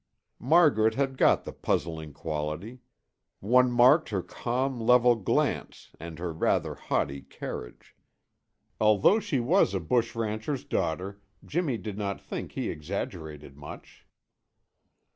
Margaret had got the puzzling quality; one marked her calm level glance and her rather haughty carriage. Although she was a bush rancher's daughter, Jimmy did not think he exaggerated much.